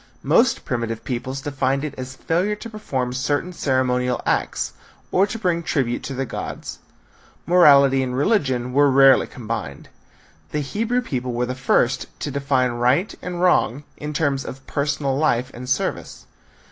Most primitive peoples defined it as failure to perform certain ceremonial acts, or to bring tribute to the gods. Morality and religion were rarely combined. The Hebrew people were the first to define right and wrong in terms of personal life and service.